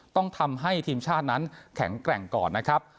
ต้องทำให้ทีมชาตินั้นแข็งแกร่งก่อนนะครับ